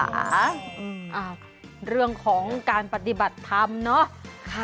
อ่าเรื่องของการปฏิบัติธรรมเนอะ